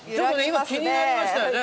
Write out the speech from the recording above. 今気になりましたよね。